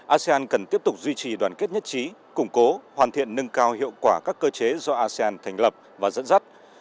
asean cần tiếp tục duy trì đoàn kết nhất trí củng cố hoàn thiện nâng cao hiệu quả các cơ chế do asean thành lập và dẫn dắt